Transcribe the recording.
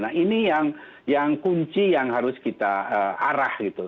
nah ini yang kunci yang harus kita arah gitu